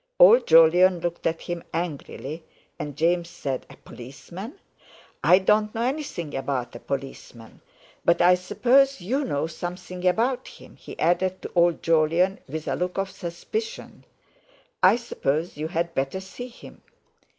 Old Jolyon looked at him angrily, and James said: "A policeman? I don't know anything about a policeman. But I suppose you know something about him," he added to old Jolyon with a look of suspicion: "I suppose you'd better see him!"